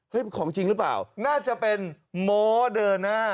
ของจริงหรือเปล่าน่าจะเป็นโม้เดินหน้า